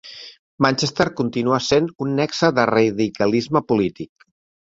Manchester continuà sent un nexe de radicalisme polític.